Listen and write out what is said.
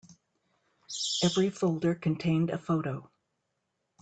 Every folder contained a photo.